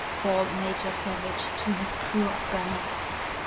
bawled Major Savage to his crew of gunners.